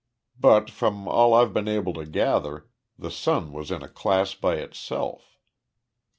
But, from all I've been able to gather, the sun was in a class by itself.